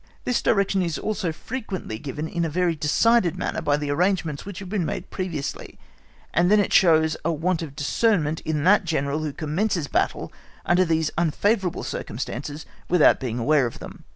This direction is also frequently given in a very decided manner by the arrangements which have been made previously, and then it shows a want of discernment in that General who commences battle under these unfavourable circumstances without being aware of them.